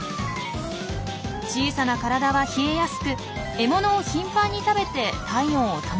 小さな体は冷えやすく獲物を頻繁に食べて体温を保たないといけません。